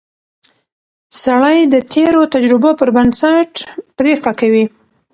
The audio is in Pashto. سړی د تېرو تجربو پر بنسټ پریکړه کوي